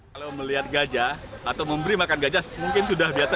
kalau melihat gajah atau memberi makan gajah mungkin sudah biasa